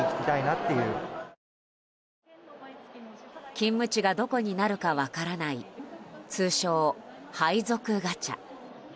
勤務地がどこになるか分からない通称、配属ガチャ。